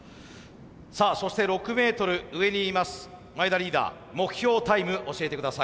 さあそして６ｍ上にいます前田リーダー目標タイム教えてください。